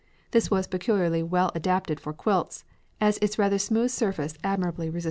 It was peculiarly well adapted for quilts, as its rather smooth surface admirably resisted wear.